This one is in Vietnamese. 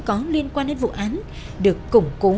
có liên quan đến vụ án được củng cố